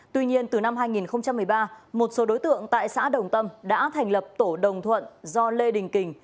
tuy nhiên từ năm hai nghìn một mươi ba một số đối tượng tại xã đồng tâm đã thành lập tổ đồng thuận do lê đình kình